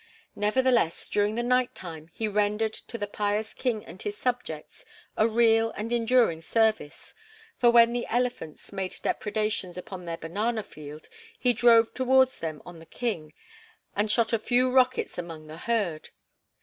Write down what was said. Nevertheless, during the night time he rendered to the pious king and his subjects a real and enduring service, for when the elephants made depredations upon their banana field he drove towards them on the King and shot a few rockets among the herd.